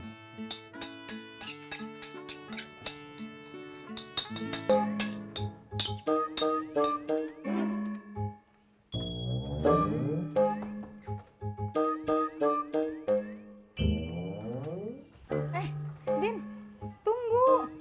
eh udin tunggu